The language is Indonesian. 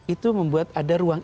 itu membuat ada ruang